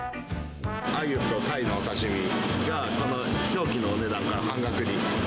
アユとタイの刺身が、表記のお値段から半額に。